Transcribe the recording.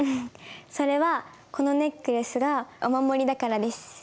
それはこのネックレスがお守りだからです。